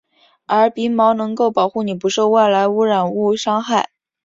而鼻毛能够保护你不受外来污染物伤害。